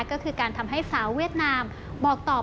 ก็คือการทำให้สาวเวียดนามบอกตอบ